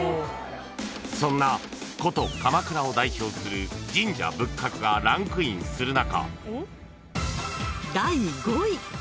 ［そんな古都鎌倉を代表する神社仏閣がランクインする中］